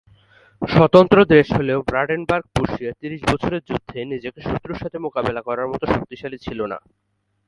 স্বতন্ত্র দেশ হলেও ব্রান্ডেনবুর্গ-প্রুশিয়া ত্রিশ বছরের যুদ্ধে নিজেকে শত্রুর সাথে মোকাবেলা করার মত শক্তিশালী ছিল না।